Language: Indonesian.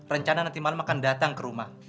rencana nanti malam akan datang ke rumah